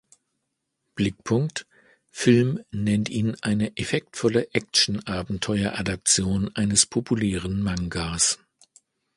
Blickpunkt: Film nennt ihn eine "„effektvolle Actionabenteuer-Adaption eines populären Mangas“".